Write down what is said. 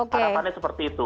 harapannya seperti itu